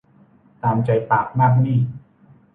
ตามใจปากมากหนี้